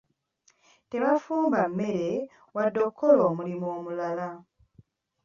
Tebafumba mmere wadde okukola omulimu omulala.